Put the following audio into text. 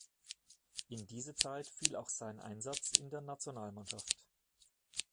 In diese Zeit fiel auch sein Einsatz in der Nationalmannschaft.